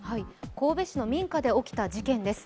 神戸市の民家で起きた事件です。